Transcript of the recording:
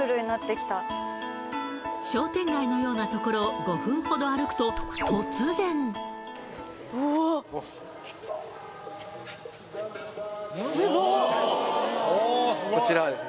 商店街のようなところを５分ほど歩くとこちらはですね